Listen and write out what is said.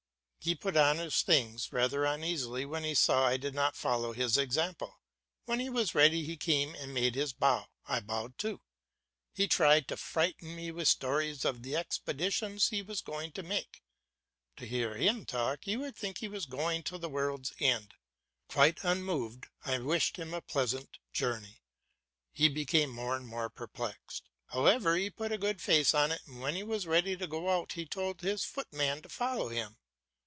He put on his things rather uneasily when he saw I did not follow his example. When he was ready he came and made his bow; I bowed too; he tried to frighten me with stories of the expeditions he was going to make; to hear him talk you would think he was going to the world's end. Quite unmoved, I wished him a pleasant journey. He became more and more perplexed. However, he put a good face on it, and when he was ready to go out he told his foot man to follow him.